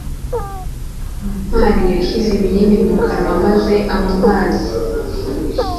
ntwali yashyize ibinini mu kanwa maze anywa amazi